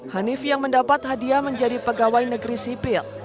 hanif yang mendapat hadiah menjadi pegawai negeri sipil